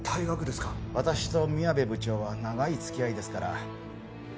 私と宮部部長は長い付き合いですから。